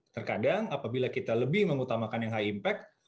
terkadang apabila kita lebih mengutamakan yang high impact